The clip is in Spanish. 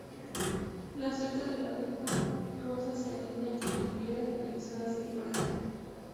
La cerca de la reja rosa se alinea con vidrieras, realizadas en Francia.